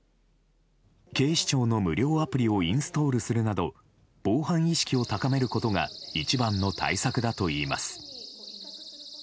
警視庁の無料アプリをインストールするなど防犯意識を高めることが一番の対策だといいます。